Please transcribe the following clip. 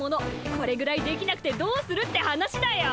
これぐらいできなくてどうするって話だよ。